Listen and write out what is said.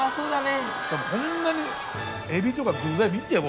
こんなに海老とか具材見てよ